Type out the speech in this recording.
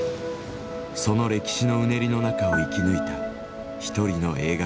その歴史のうねりの中を生き抜いた一人の映画監督。